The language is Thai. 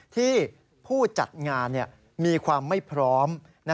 ที่ผู้จัดงานมีความไม่พร้อม